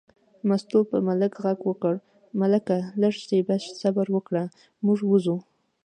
مستو په ملک غږ وکړ: ملکه لږه شېبه صبر وکړه، موږ وځو.